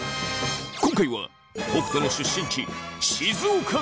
今回は北斗の出身地静岡県。